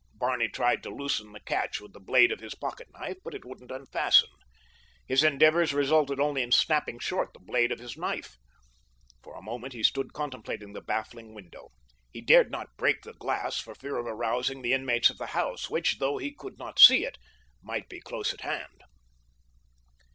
Barney tried to loosen the catch with the blade of his pocket knife, but it wouldn't unfasten. His endeavors resulted only in snapping short the blade of his knife. For a moment he stood contemplating the baffling window. He dared not break the glass for fear of arousing the inmates of the house which, though he could not see it, might be close at hand.